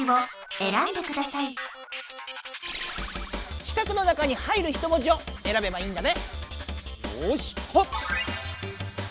四角の中に入る一文字をえらべばいいんだね。